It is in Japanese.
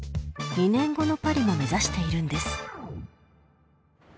２年後のパリも目指しているんです。